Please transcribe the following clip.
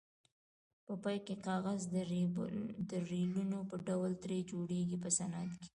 په پای کې کاغذ د ریلونو په ډول ترې جوړیږي په صنعت کې.